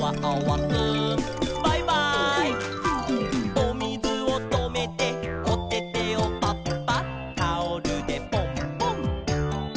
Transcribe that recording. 「おみずをとめておててをパッパッ」「タオルでポンポン」